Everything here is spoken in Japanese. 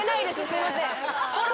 すいません。